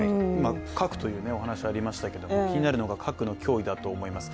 核というお話ありましたけど、気になるのが核の脅威だと思います。